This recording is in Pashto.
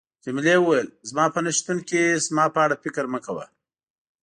جميلې وويل: زما په نه شتون کې زما په اړه فکر مه کوه.